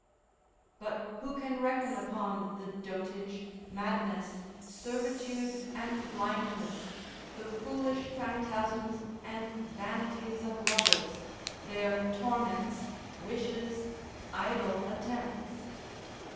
But who can reckon upon the dotage, madness, servitude and blindness, the foolish phantasms and vanities of lovers, their torments, wishes, idle attempts?